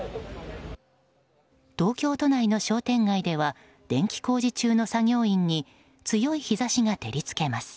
東京都内の商店街では電気工事中の作業員に強い日差しが照り付けます。